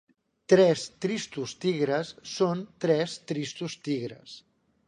Tres tristos tigres són tres tristos tigres.